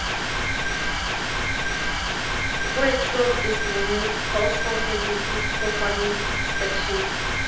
Poetry of this movement also often includes profound introspection.